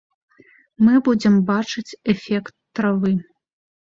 Мы будзем бачыць эфект травы.